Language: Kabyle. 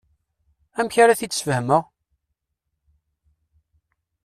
Amek ara t-id-sfehmeɣ?